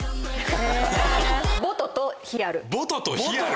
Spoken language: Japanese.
ボトとヒアル！